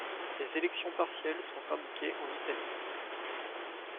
Les élections partielles sont indiquées en italique.